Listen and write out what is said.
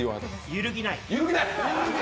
揺るぎない。